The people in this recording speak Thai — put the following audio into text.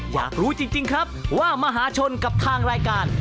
อยากรู้จริงครับว่ามหาชนกับทางรายการ